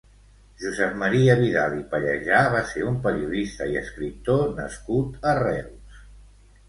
Josep Maria Vidal i Pallejà va ser un periodista i escriptor nascut a Reus.